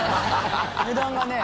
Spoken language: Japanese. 値段がね。